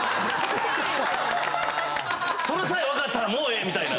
それさえ分かったらもうええみたいな。